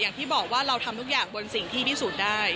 อย่างที่บอกว่าเราทำทุกอย่างบนสิ่งที่พิสูจน์ได้